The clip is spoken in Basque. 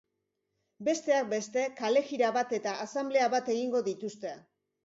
Besteak beste, kalejira bat eta asanblea bat egingo dituzte.